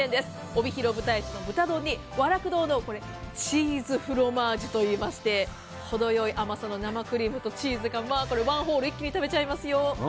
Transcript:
帯広ぶたいちの豚丼に、わらく堂のフロマージュは程良い甘さの生クリームとチーズが、もう１ホール一気に食べちゃいますよ。